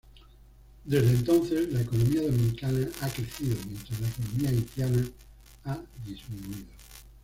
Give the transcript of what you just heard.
Desde entonces, la economía dominicana ha crecido mientras la economía haitiana ha disminuido.